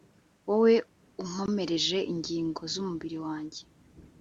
wowe unkomereje ingingo z'umubiri wanjye